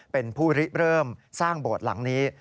เป็นผู้ริเริ่มสร้างโบสถ์หลังนี้